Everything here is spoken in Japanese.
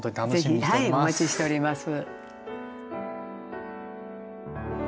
是非お待ちしております。